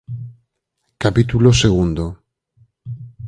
Capítulo segundo.